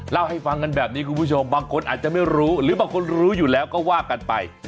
เล่าให้ฟังกันแบบนี้คุณผู้ชมบางคนอาจจะไม่รู้หรือบางคนรู้อยู่แล้วก็ว่ากันไป